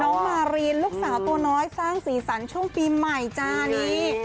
มารีนลูกสาวตัวน้อยสร้างสีสันช่วงปีใหม่จ้านี่